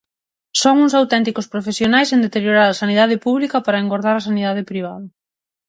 Son uns auténticos profesionais en deteriorar a sanidade pública para engordar a sanidade privada.